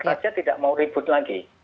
saja tidak mau ribut lagi